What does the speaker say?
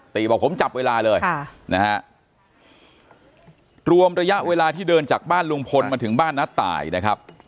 บอกผมจับเวลาเลยนะฮะรวมระยะเวลาที่เดินจากบ้านลุงพลมาถึงบ้านน้าตายนะครับ